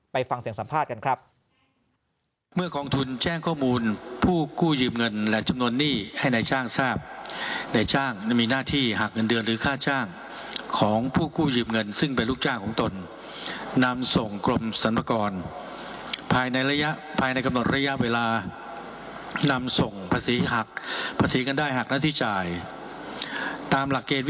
ไปฟังเสียงสัมภาษณ์กันครับ